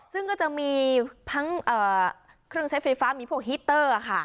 ซึ่งก็จะมีทั้งเครื่องใช้ไฟฟ้ามีพวกฮิตเตอร์ค่ะ